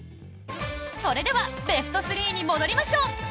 それではベスト３に戻りましょう！